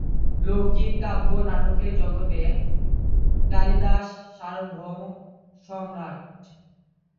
লৌকিক কাব্য নাটকের জগতে কালিদাস সার্বভৌম সম্রাট।